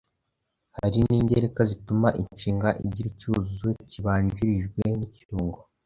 Hari n’ingereka zituma inshinga igira icyuzuzo kibanjirijwe n’icyungo.